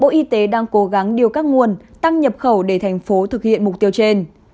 bộ y tế đang cố gắng điều các nguồn tăng nhập khẩu để thành phố thực hiện mục tiêu trên